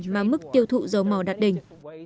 mà mức tiêu thụ dầu mò đạt đỉnh